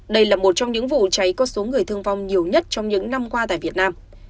đây là một trong những vụ cháy có số người thương vong nhiều nhất trong những năm qua tại việt nam